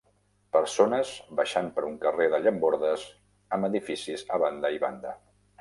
Persones baixant per un carrer de llambordes amb edificis a banda i banda.